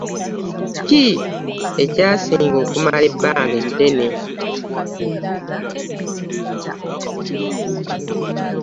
Kiki ekyasinga okumala ebbanga eddene.